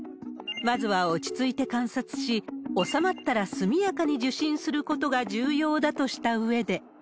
まずは落ち着いて観察し、収まったら速やかに受診することが重要だとしたうえで。